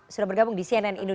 sudah bergabung di cnn indonesia